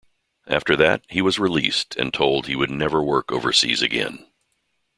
After that, he was released and told he would never work overseas again.